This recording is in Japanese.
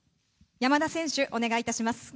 山田選手、お願いいたします。